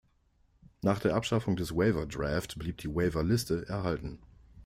Nach der Abschaffung des Waiver Draft blieb die Waiverliste erhalten.